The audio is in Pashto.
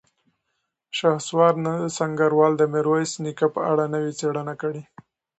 شهسوار سنګروال د میرویس نیکه په اړه نوې څېړنه کړې.